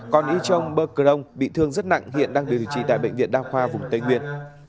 còn y chun brong bị thương rất nặng hiện đang được trì tại bệnh viện đa khoa vùng tây nguyên